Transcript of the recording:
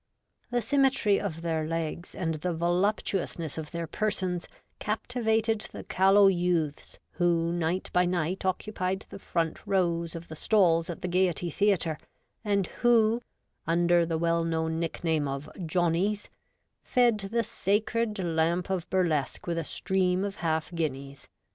The symmetry of their legs and the voluptuousness of their persons captivated the callow youths who night by night occupied the front rows of the stalls at the Gaiety Theatre, and who — under the well known nickname of ' Johnnies '— fed the Sacred Lamp of Burlesque with a stream of half guineas.